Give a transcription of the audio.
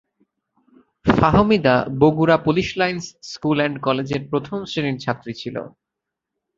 Fahmida Bogura police lines school and কলেজের প্রথম শ্রেণীর ছাত্রী ছিল।